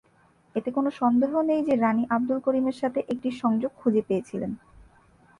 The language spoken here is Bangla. এতে কোনও সন্দেহ নেই যে রানী আবদুল করিমের সাথে একটি সংযোগ খুঁজে পেয়েছিলেন।